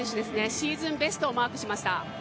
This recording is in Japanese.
シーズンベストをマークしました。